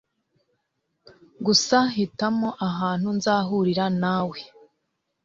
Gusa hitamo ahantu nzahurira nawe.